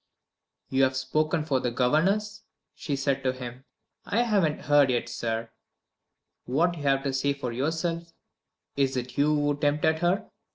"You have spoken for the governess," she said to him. "I haven't heard yet, sir, what you have to say for yourself. Is it you who tempted her?